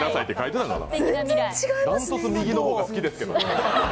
断トツ右の方が好きですけどね。